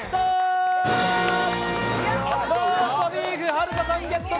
はるかさん、ゲット！